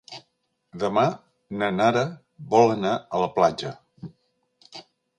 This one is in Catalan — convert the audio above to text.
Demà na Nara vol anar a la platja.